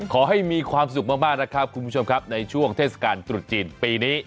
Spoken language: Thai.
ขอให้มีความสุขมากนะครับคุณผู้ชมครับในช่วงเทศกาลตรุษจีนปีนี้